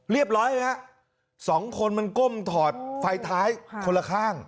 เรียบร้อยฮะสองคนมันก้มถอดไฟท้ายคนละข้าง